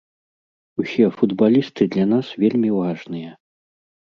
Усе футбалісты для нас вельмі важныя.